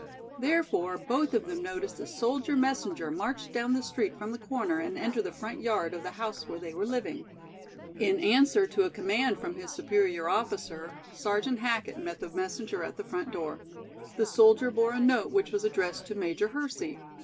Therefore both of them noticed a soldier messenger march down the street from the corner and enter the front yard of the house where they were living. In answer to a command from his superior officer, Sergeant Hackett met the messenger at the front door. The soldier bore a note which was addressed to Major Hersey.